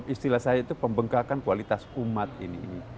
istilah saya itu pembengkakan kualitas umat ini